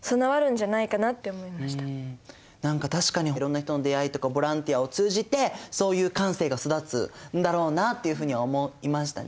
何か確かにいろんな人の出会いとかボランティアを通じてそういう感性が育つんだろうなっていうふうには思いましたね。